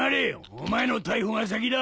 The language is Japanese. お前の逮捕が先だ！